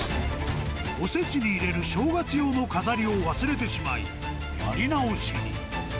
おせちに入れる正月用の飾りを忘れてしまい、やり直しに。